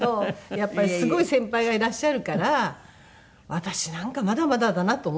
やっぱりすごい先輩がいらっしゃるから私なんかまだまだだなと思っていますから。